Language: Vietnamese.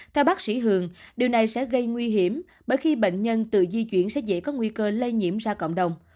theo bác sĩ hường điều này sẽ gây nguy hiểm bởi khi bệnh nhân tự di chuyển sẽ dễ có nguy cơ lây nhiễm ra cộng đồng